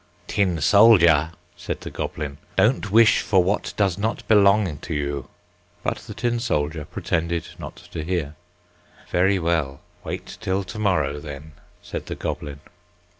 "Tin soldier," said the goblin, "don't wish for what does not belong to you." But the tin soldier pretended not to hear. "Very well; wait till to morrow, then," said the goblin.